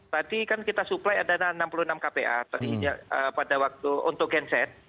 tadi kan kita suplai adana enam puluh enam kpa pada waktu untuk genset